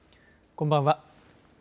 こんばんは。